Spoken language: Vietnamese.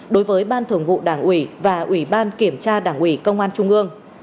đối với ban thường vụ đảng ủy và ủy ban kiểm tra đảng ủy công an trung ương